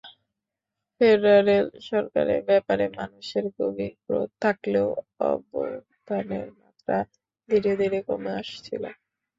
Federal সরকারের ব্যাপারে মানুষের গভীর ক্রোধ থাকলেও অভ্যুত্থানের মাত্রা ধীরে ধীরে কমে আসছিল।